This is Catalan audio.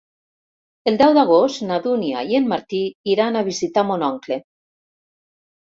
El deu d'agost na Dúnia i en Martí iran a visitar mon oncle.